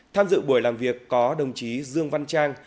tham dự buổi làm việc có đồng chí dương văn trang